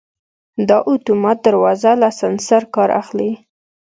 دا اتومات دروازه له سنسر کار اخلي.